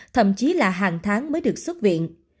thậm chí là hàng tháng mới được xuất viện